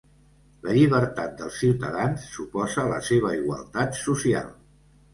La llibertat dels ciutadans suposa la seva igualtat social.